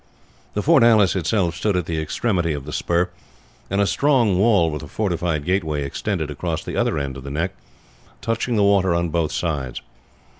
The fortalice itself stood at the extremity of the spur, and a strong wall with a fortified gateway extended across the other end of the neck, touching the water on both sides.